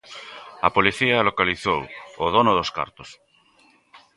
A policía localizou o dono dos cartos.